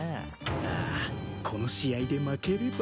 ああこの試合で負ければ。